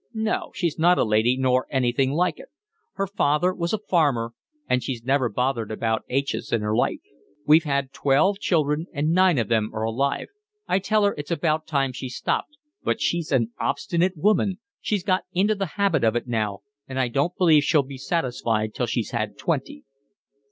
"No, she's not a lady, nor anything like it. Her father was a farmer, and she's never bothered about aitches in her life. We've had twelve children and nine of them are alive. I tell her it's about time she stopped, but she's an obstinate woman, she's got into the habit of it now, and I don't believe she'll be satisfied till she's had twenty."